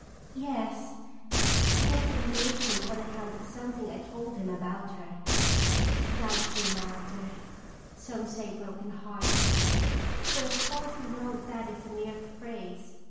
" Yes; he broke the engagement on account of something I told him about her. She died soon after, some say broken hearted; but, of course, we know that is a mere phrase.